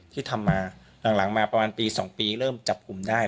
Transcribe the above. ที่ทำมาหลังมาประมาณปี๒ปีเริ่มจับกลุ่มได้